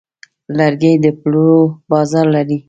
لرګی د پلور بازار لري.